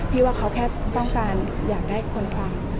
ว่าเขาแค่ต้องการอยากได้คนฟัง